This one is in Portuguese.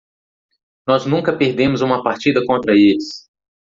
Nós nunca perdemos uma partida contra eles.